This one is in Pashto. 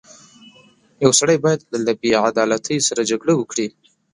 • یو سړی باید له بېعدالتۍ سره جګړه وکړي.